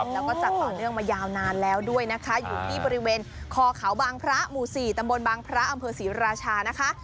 แล้วก็จัดต่อเนื่องมายาวนานแล้วด้วยนะคะอยู่ที่บริเวณคอเขาบางพระหมู่๔ตำบลบางพระอำเภอศรีราชานะคะ